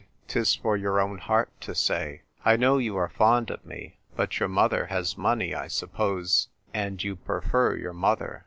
" Tis for your own heart to say. I know you are fond of me. But — your mother has money, I sup pose, and you prefer your mother."